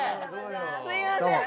すいません。